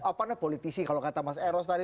apa namanya politisi kalau kata mas eros tadi